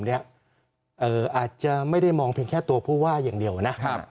อาจจะไม่ได้มองเพียงแค่ตัวผู้ว่าอย่างเดียวนะ